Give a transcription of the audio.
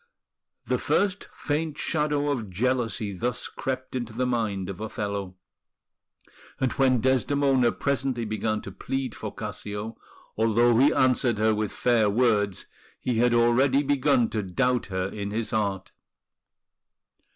The first faint shadow of jealousy thus crept into the mind of Othello; and when Desdemona presently began to plead for Cassio, although he answered her with fair words, he had already begun to doubt her in his heart.